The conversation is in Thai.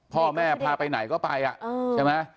พ่อแม่พาไปไหนก็ไปอะ